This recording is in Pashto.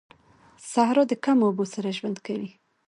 صحرا د کمو اوبو سره ژوند کوي